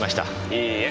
いいえ。